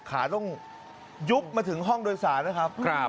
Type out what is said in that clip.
ขาต้องยุบมาถึงห้องโดยสารนะครับ